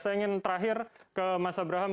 saya ingin terakhir ke mas abraham